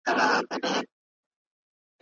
سړي ښخ کئ سپي د کلي هدیره کي